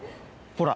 ほら。